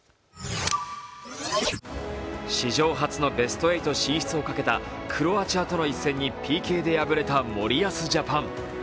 史上初のベスト８進出をかけたクロアチアとの一戦にＰＫで敗れた森保ジャパン。